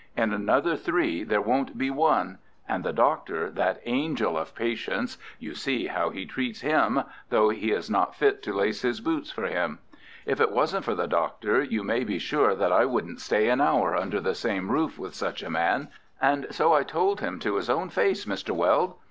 In another three there won't be one. And the Doctor, that angel of patience, you see how he treats him, though he is not fit to lace his boots for him. If it wasn't for the Doctor, you may be sure that I wouldn't stay an hour under the same roof with such a man, and so I told him to his own face, Mr. Weld.